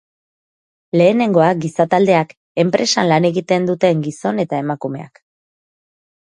Lehenengoa, giza taldeak, enpresan lan egiten duten gizon eta emakumeak.